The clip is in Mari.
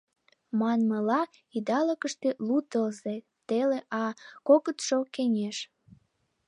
Манмыла, идалыкыште лу тылзе — теле, а кокытшо — кеҥеж.